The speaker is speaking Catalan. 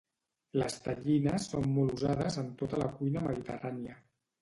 Les tellines són molt usades en tota la cuina mediterrània.